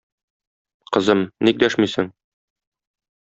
Кызым, ник дәшмисең?